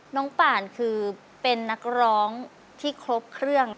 ป่านคือเป็นนักร้องที่ครบเครื่อง